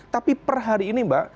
tapi per hari ini mbak